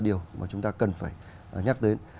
điều mà chúng ta cần phải nhắc đến